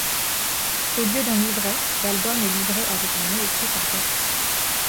Au lieu d'un livret, l'album est livré avec un mot écrit par Gackt.